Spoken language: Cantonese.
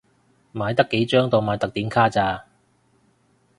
買得幾張當買特典卡咋